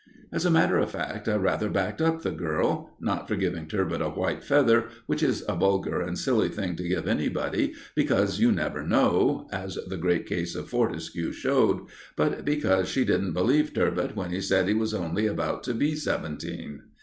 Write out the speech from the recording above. As a matter of fact, I rather backed up the girl not for giving "Turbot" a white feather, which is a vulgar and silly thing to give anybody, because you never know, as the great case of Fortescue showed but because she didn't believe "Turbot" when he said he was only just about to be seventeen.